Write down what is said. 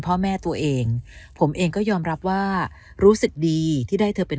พ่อแม่ตัวเองผมเองก็ยอมรับว่ารู้สึกดีที่ได้เธอเป็น